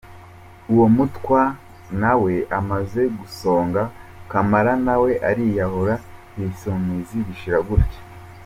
Uwo mutwa na we amaze gusonga Kamara na we ariyahura, Ibisumizi bishira gutyo.